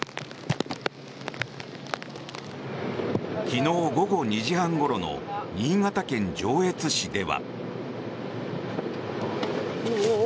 昨日午後２時半ごろの新潟県上越市では。